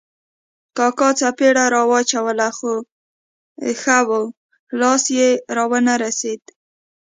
کاکا څپېړه را واچوله خو ښه وو، لاس یې را و نه رسېد.